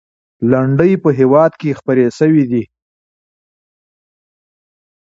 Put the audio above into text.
لنډۍ په هېواد کې خپرې سوي دي.